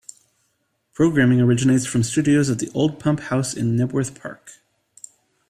Programming originates from studios at the Old Pump House in Knebworth Park.